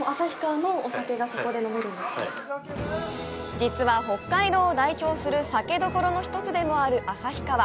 実は、北海道を代表する酒どころの一つでもある旭川。